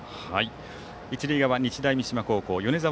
一塁側、日大三島高校米澤